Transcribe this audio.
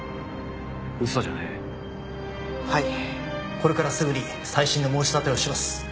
これからすぐに再審の申し立てをします。